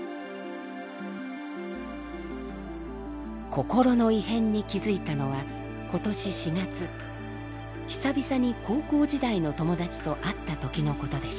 心の異変に気付いたのは今年４月久々に高校時代の友達と会った時のことでした。